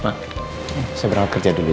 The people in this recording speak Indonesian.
pak bisa berangkat kerja dulu ya